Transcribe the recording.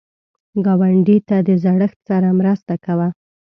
ګاونډي ته د زړښت سره مرسته کوه